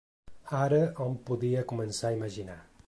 Ara hom podia començar a imaginar